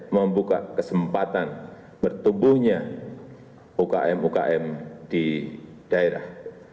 membuka kesempatan bertumbuhnya ukm ukm di daerah